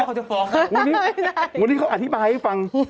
วันนี้เขาอธิบายให้ฟัง